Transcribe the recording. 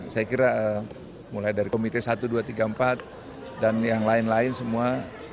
saya kira mulai dari komite satu dua tiga empat dan yang lain lain semua